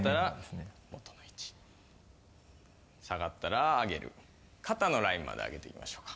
「元の位置」「下がったら上げる」「肩のラインまで上げていきましょうか」